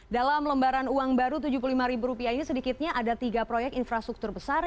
dalam lembaran uang baru rp tujuh puluh lima ini sedikitnya ada tiga proyek infrastruktur besar